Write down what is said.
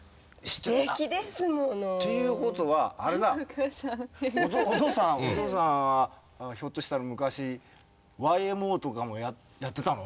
すてきですもの。っていうことはあれだお父さんはひょっとしたら昔Ｙ．Ｍ．Ｏ．とかもやってたの？